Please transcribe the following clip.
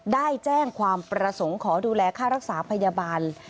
ได้แจ้งความประสงค์ขอดูแลค่ารักษาพยาบาล